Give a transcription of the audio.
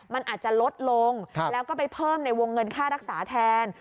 มันอาจจะลดลงแล้วก็ไปเพิ่มในวงเงินค่ารักษาแทน